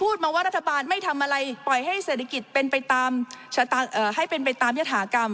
พูดมาว่ารัฐบาลไม่ทำอะไรปล่อยให้เศรษฐกิจเป็นไปตามยธากรรม